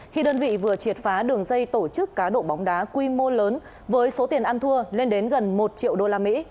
khi đơn vị vừa triệt phá đường dây tổ chức cá độ bóng đá quy mô lớn với số tiền ăn thua lên đến gần một triệu đô la mỹ